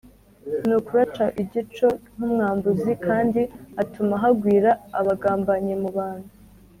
ni ukuri aca igico nk’umwambuzi, kandi atuma hagwira abagambanyi mu bantu